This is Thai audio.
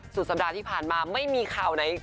สุดสัปดาห์ที่ผ่านมาไม่มีข่าวไหน